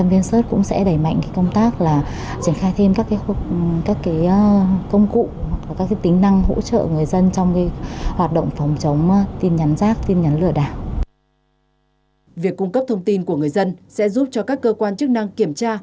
việc cung cấp thông tin của người dân sẽ giúp cho các cơ quan chức năng kiểm tra